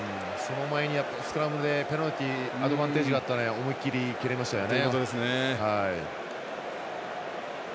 その前にスクラムでペナルティーアドバンテージがありましたので思いっきり蹴れましたよね。